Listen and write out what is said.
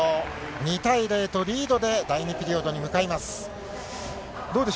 ２対０とリードで、第２ピリオドに向かいます。